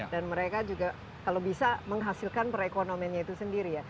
dan mereka juga kalau bisa menghasilkan perekonomiannya itu sendiri ya